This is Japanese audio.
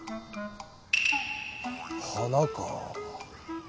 花か。